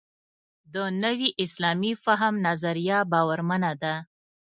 د نوي اسلامي فهم نظریه باورمنه ده.